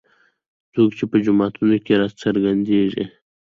څوک چې په جوماتونو کې راڅرګندېږي.